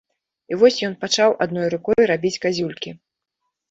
І вось ён пачаў адной рукой рабіць казюлькі.